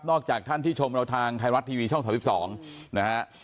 จากท่านที่ชมเราทางไทยรัฐทีวีช่อง๓๒นะฮะ